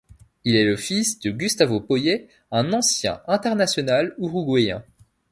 Il est le fils de Gustavo Poyet, un ancien international uruguayen.